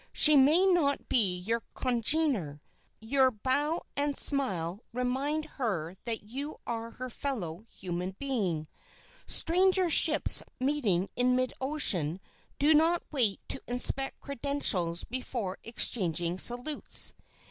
She may not be your congener. Your bow and smile remind her that you are her fellow human being. Stranger ships meeting in mid ocean do not wait to inspect credentials before exchanging salutes.